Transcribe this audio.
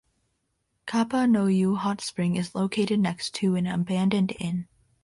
Kappa-no-you Hot Spring is located next to an abandoned Inn.